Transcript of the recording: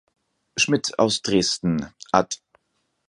Schmidt aus Dresden, Ad.